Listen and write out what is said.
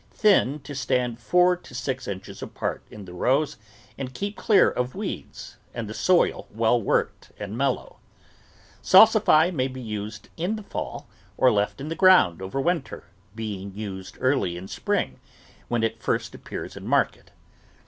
Thin to stand four to six inches apart in the rows and keep clear of weeds and the soil well worked and mellow. Salsify may be used in the fall or left in the ground over win ter, being used early in spring, when it first ap pears in market.